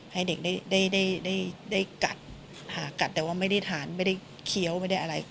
ให้เด็กได้กัดหากัดแต่ว่าไม่ได้ทานไม่ได้เคี้ยวไม่ได้อะไร